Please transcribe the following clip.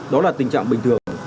đó là tình trạng bình thường